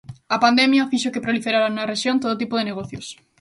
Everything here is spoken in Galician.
A pandemia fixo que proliferaran na rexión todo tipo de negocios.